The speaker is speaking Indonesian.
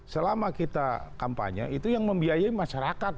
selama kita kampanye itu yang membiayai masyarakat